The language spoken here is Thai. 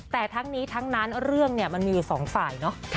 แต่ทั้งนี้ทั้งนั้นเรื่องเนี่ยมันมีอยู่สองฝ่ายเนอะ